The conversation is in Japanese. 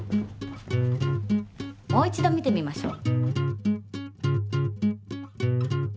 もう一度見てみましょう。